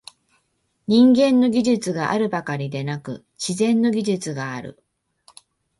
人間の技術があるばかりでなく、「自然の技術」がある。